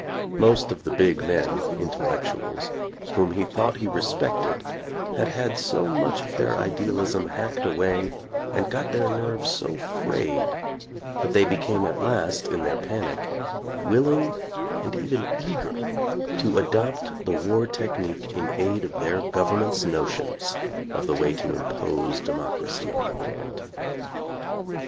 Most of the big men — intellectuals — whom he thought he respected had had so much of their idealism hacked away and got their nerves so frayed that they became at last, in their panic, willing and even eager to adopt the war technique in aid of their government's notions of the way to impose democracy on the world.